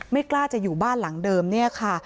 ไม่กล้าจะอยู่บ้านหลังเดิมเนี่ยค่ะ